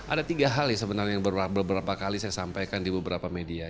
ada tiga hal yang sebenarnya yang beberapa kali saya sampaikan di beberapa media